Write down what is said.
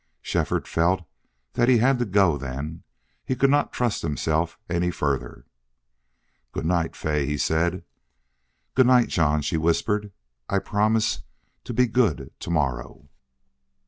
Shefford felt that he had to go then. He could not trust himself any further. "Good night, Fay," he said. "Good night, John," she whispered. "I promise to be good to morrow."